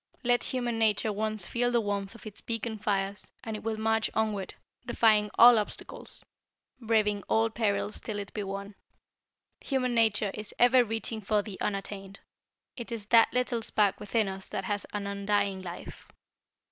Let human nature once feel the warmth of its beacon fires, and it will march onward, defying all obstacles, braving all perils till it be won. Human nature is ever reaching for the unattained. It is that little spark within us that has an undying life.